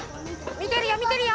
みてるよみてるよ。